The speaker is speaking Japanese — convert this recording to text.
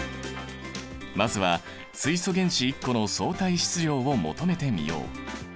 まずは水素原子１個の相対質量を求めてみよう。